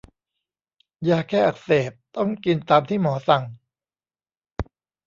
ยาแก้อักเสบต้องกินตามที่หมอสั่ง